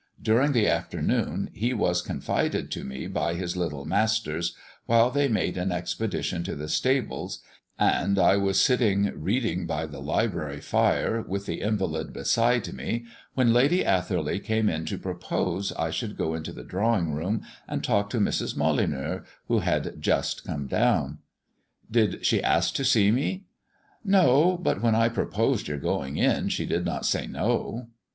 During the afternoon he was confided to me by his little masters while they made an expedition to the stables, and I was sitting reading by the library fire with the invalid beside me when Lady Atherley came in to propose I should go into the drawing room and talk to Mrs. Molyneux, who had just come down. "Did she ask to see me?" "No; but when I proposed your going in, she did not say no."